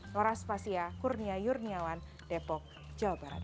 noras fasia kurnia yurniawan depok jawa barat